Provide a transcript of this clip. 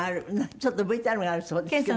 ちょっとＶＴＲがあるそうですけど。